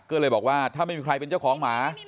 ก็เลยบอกว่าถ้าไม่มีใครเป็นเจ้าของหมา